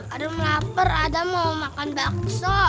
adam lapar adam mau makan bakso